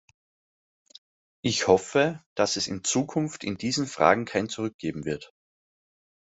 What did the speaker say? Ich hoffe, dass es in Zukunft in diesen Fragen kein Zurück geben wird.